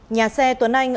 nhà xe tuấn anh